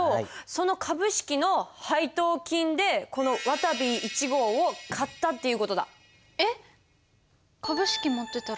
その株式の配当金でこのわたび１号を買ったっていう事だ。えっ！？